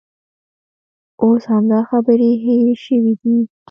اوس همدا خبرې هېرې شوې دي.